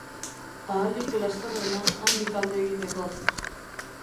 Ahalik lasterrena handik alde egiteko